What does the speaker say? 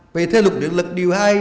vì theo luật định lực điều hai